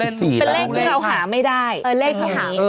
เป็นเลขที่เราหาไม่ได้